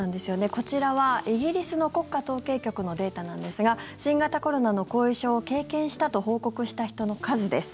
こちらはイギリスの国家統計局のデータなんですが新型コロナの後遺症を経験したと報告した人の数です。